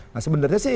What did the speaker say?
nah sebenarnya sih